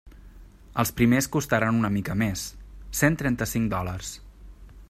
Els primers costaran una mica més, cent trenta-cinc dòlars.